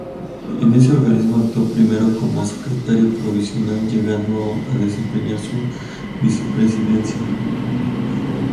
En ese organismo actuó primero como secretario provisional, llegando a desempeñar su vicepresidencia.